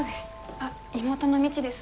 あっ妹の未知です。